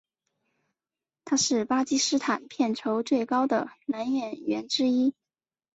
他是巴基斯坦片酬最高的男演员之一。